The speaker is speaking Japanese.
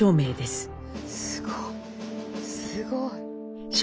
すごい。